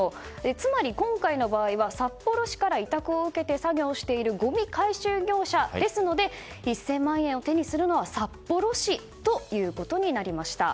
つまり、今回の場合は札幌市から委託を受けて作業しているごみ回収業者ですので１０００万円を手にするのは札幌市ということになりました。